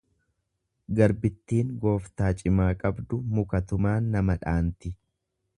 Garbittin gooftaa cimaa qabdu muka tumaan nama dhaanti.